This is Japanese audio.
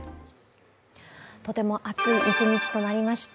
とても暑い一日となりました。